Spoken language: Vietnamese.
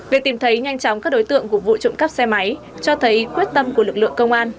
việc tìm thấy nhanh chóng các đối tượng của vụ trộm cắp xe máy cho thấy quyết tâm của lực lượng công an